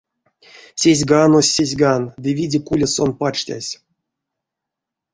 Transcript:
Сезьганось сезьган, ды виде куля сон пачтясь.